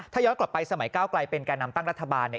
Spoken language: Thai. ถ้าย้อนกลับไปสมัยก้าวไกลเป็นแก่นำตั้งรัฐบาลเนี่ย